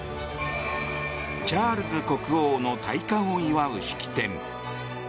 チャールズ国王の戴冠を祝う式典。